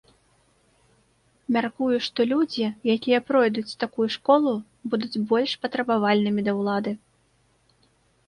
Мяркую, што людзі, якія пройдуць такую школу, будуць больш патрабавальнымі да ўлады.